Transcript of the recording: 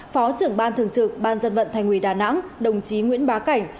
phó trưởng ban thường trực ban dân vận thành ủy đà nẵng đồng chí nguyễn bá cảnh